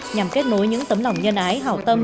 nhằm kết nối những tấm lòng nhân ái hào tâm